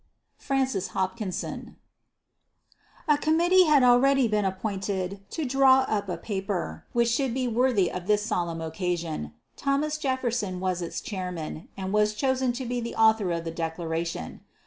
FRANCIS HOPKINSON. A committee had already been appointed to draw up a paper which should be worthy this solemn occasion. Thomas Jefferson was its chairman, and was chosen to be the author of the Declaration.